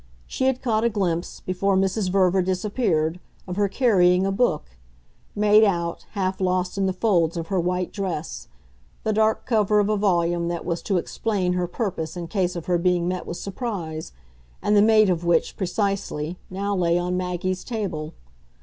She had caught a glimpse, before Mrs. Verver disappeared, of her carrying a book made out, half lost in the folds of her white dress, the dark cover of a volume that was to explain her purpose in case of her being met with surprise, and the mate of which, precisely, now lay on Maggie's table.